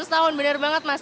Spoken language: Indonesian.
seratus tahun benar banget mas